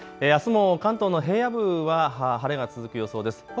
あすも関東の平野部は晴れが続く予想です。